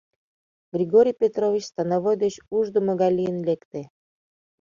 Григорий Петрович становой деч ушдымо гай лийын лекте.